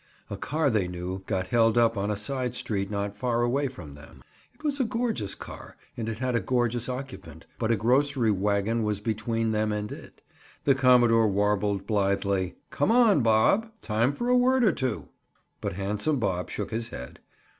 A car they knew got held up on a side street not far away from them. It was a gorgeous car and it had a gorgeous occupant, but a grocery wagon was between them and it. The commodore warbled blithely. "Come on, Bob. Time for a word or two!" But handsome Bob shook his head.